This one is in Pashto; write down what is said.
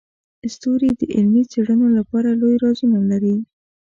ستوري د علمي څیړنو لپاره لوی رازونه لري.